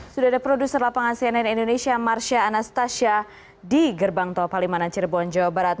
sudah ada produser lapangan cnn indonesia marsha anastasia di gerbang tol palimanan cirebon jawa barat